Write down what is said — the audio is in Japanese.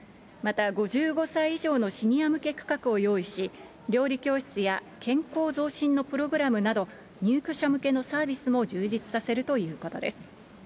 また５５歳以上のシニア向け区画を用意し、料理教室や健康増進のプログラムなど、入居者向けのサービスも充実させるということです。